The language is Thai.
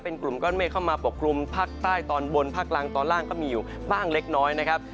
เป็นกลุ่มก้อนเมฆเข้ามาปกกลุ่มภาคใต้ตอนบนภาคล่างตอนล่างก็มีอยู่บ้างเล็กน้อยนะครับ